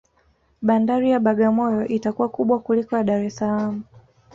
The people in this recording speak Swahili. bandari ya bagamoyo itakuwa kubwa kuliko ya dar es salaam